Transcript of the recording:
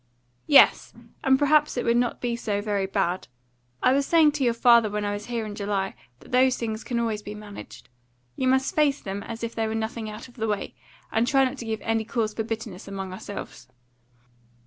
"Yes, and perhaps it would not be so very bad. I was saying to your father when I was here in July that those things can always be managed. You must face them as if they were nothing out of the way, and try not to give any cause for bitterness among ourselves."